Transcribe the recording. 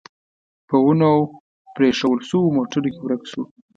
په ونو او پرېښوول شوو موټرو کې ورک شو.